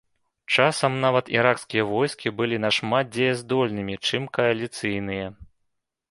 Часам нават іракскія войскі былі нашмат дзеяздольнымі, чым кааліцыйныя.